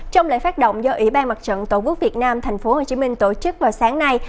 trong lễ phát động do ủy ban mặt trận tổ quốc việt nam tp hcm tổ chức vào sáng nay